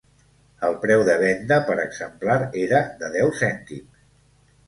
El preu de venda per exemplar era de deu cèntims.